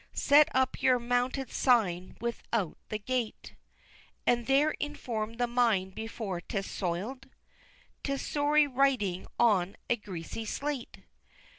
Set up your mounted sign without the gate And there inform the mind before 'tis soil'd! 'Tis sorry writing on a greasy slate!